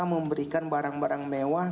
memberikan barang barang mewah